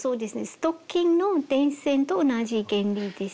ストッキングの伝線と同じ原理ですね。